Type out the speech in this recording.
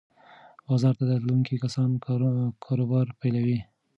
بازار ته تلونکي کسان کاروبار پیلوي.